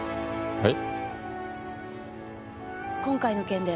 はい。